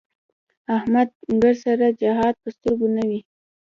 احمد ګردسره جهان په سترګو نه وي.